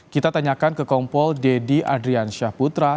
kita tanyakan ke kompol deddy adrian syahputra